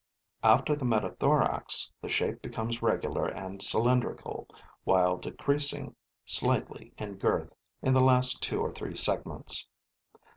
After the metathorax, the shape becomes regular and cylindrical, while decreasing slightly in girth in the last two or three segments.